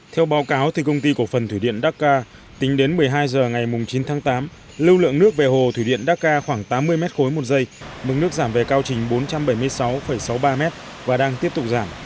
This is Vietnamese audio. theo báo cáo thì công ty cổ phần thủy điện dakar tính đến một mươi hai h ngày chín tháng tám lưu lượng nước về hồ thủy điện dakar khoảng tám mươi m ba một giây mực nước giảm về cao trình bốn trăm bảy mươi sáu sáu mươi ba m và đang tiếp tục giảm